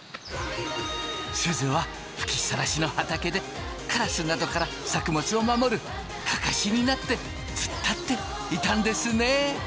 すずは吹きっさらしの畑でカラスなどから作物を守るカカシになって突っ立っていたんですね。